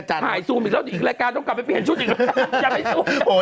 อันนี้หายซูมอีกแล้วอีกรายการต้องกลับไปเปลี่ยนชุดอีกแล้ว